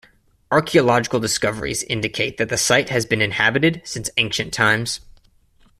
Archeological discoveries indicate that the site has been inhabited since ancient times.